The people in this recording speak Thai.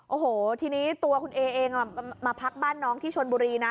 โอ้โหทีนี้ตัวคุณเอเองมาพักบ้านน้องที่ชนบุรีนะ